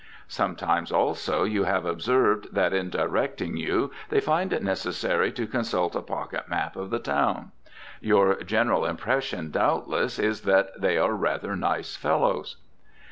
Sometimes also you have observed that in directing you they find it necessary to consult a pocket map of the town. Your general impression doubtless is that they are rather nice fellows.